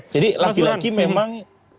jadi lagi lagi memang